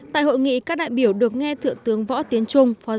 tại hội nghị các đại biểu được nghe thượng tướng võ tiến trung